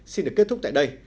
xin được kết thúc tại đây